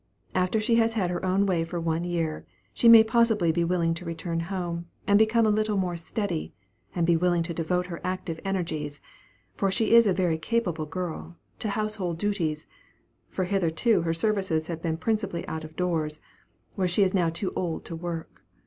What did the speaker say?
After she has had her own way for one year, she may possibly be willing to return home, and become a little more steady, and be willing to devote her active energies (for she is a very capable girl) to household duties, for hitherto her services have been principally out of doors, where she is now too old to work.